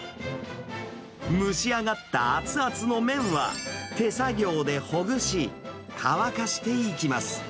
蒸し上がった熱々の麺は手作業でほぐし、乾かしていきます。